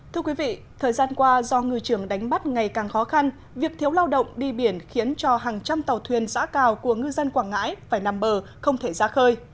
thưa quý vị thời gian qua do ngư trường đánh bắt ngày càng khó khăn việc thiếu lao động đi biển khiến cho hàng trăm tàu thuyền giã cào của ngư dân quảng ngãi phải nằm bờ không thể ra khơi